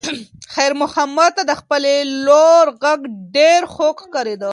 خیر محمد ته د خپلې لور غږ ډېر خوږ ښکارېده.